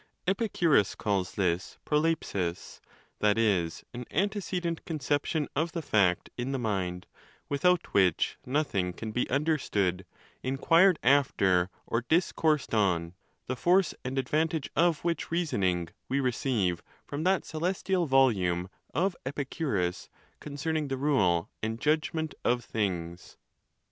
Epicurus calls this 7r|0(iX?)>//(c ; that is, an antecedent conception of the fact in the mind, without which nothing can be understood, in quired after, or discoursed on ; the force and advantage of which reasoning we receive from that celestial volume of Epicurus concerning the Rule and Judgment of Things.